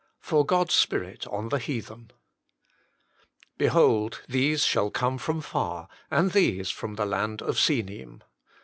Jor o& a Spirit on ilje "Behold, these shall come from far; and these from the land of Sinim."